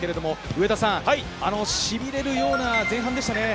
上田さん、しびれるような前半でしたね。